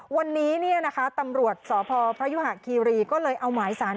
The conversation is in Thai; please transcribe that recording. วันนี้เนี่ยนะคะตำรวจสพพยุหะคีรีก็เลยเอาหมายสาร